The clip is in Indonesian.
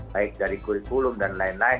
baik dari kurikulum dan lain lain